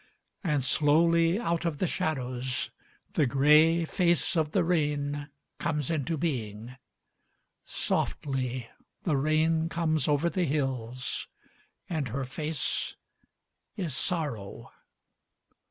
And slowly out of the shadows the grey face of the rain comes into being â Softly the rain comes over the hills and her face is sorrow.